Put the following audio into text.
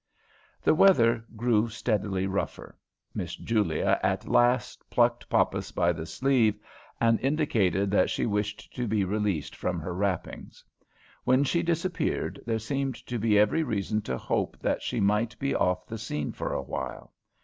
The weather grew steadily rougher. Miss Julia at last plucked Poppas by the sleeve and indicated that she wished to be released from her wrappings. When she disappeared, there seemed to be every reason to hope that she might be off the scene for awhile.